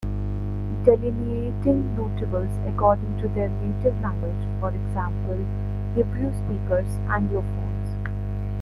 Delineating notables according to their native language, e.g., Hebrew speakers, Anglophones.